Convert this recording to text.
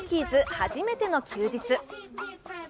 初めての休日。